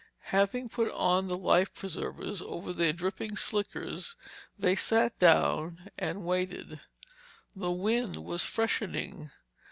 Having put on the life preservers over their dripping slickers, they sat down and waited. The wind was freshening.